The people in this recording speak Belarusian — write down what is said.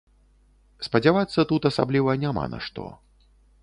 Спадзявацца тут асабліва няма на што.